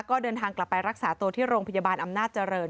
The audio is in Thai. ก็เดินทางกลับไปรักษาตัวที่โรงพยาบาลอำนาจเจริญ